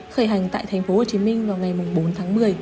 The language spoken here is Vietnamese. khởi hành tại tp hcm vào ngày bốn tháng một mươi